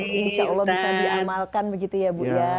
insya allah bisa diamalkan begitu ya bu ya